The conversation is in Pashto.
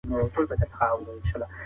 دا سیند د کلي په منځ کې بهېږي.